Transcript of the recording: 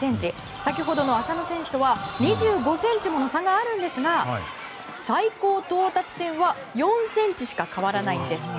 先ほどの麻野選手とは２５ｃｍもの差があるんですが最高到達点は４ｃｍしか変わらないんです。